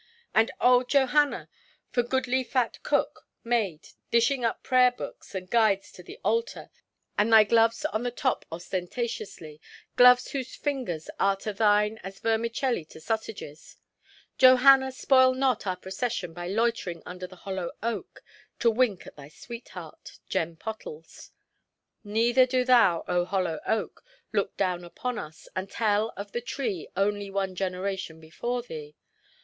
And oh, Johanna, thou goodly fat cook–maid, dishing up prayer–books, and Guides to the Altar, and thy gloves on the top ostentatiously—gloves whose fingers are to thine as vermicelli to sausages: Johanna, spoil not our procession by loitering under the hollow oak to wink at thy sweetheart, Jem Pottles. Neither do thou, oh hollow oak, look down upon us, and tell of the tree only one generation before thee.